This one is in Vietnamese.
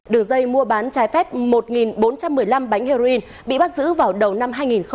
đường dây mua bán trái phép một nghìn bốn trăm một mươi năm bánh heroin bị bắt giữ vào đầu năm hai nghìn một mươi năm